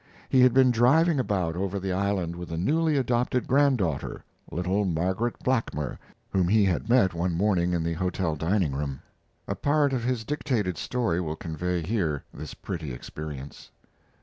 He had been driving about over the island with a newly adopted granddaughter, little Margaret Blackmer, whom he had met one morning in the hotel dining room. A part of his dictated story will convey here this pretty experience.